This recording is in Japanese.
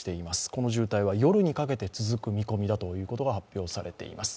この渋滞は夜にかけて続く見込みだということが発表されています。